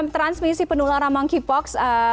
transmisi penularan monkey pock